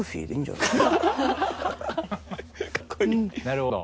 なるほど。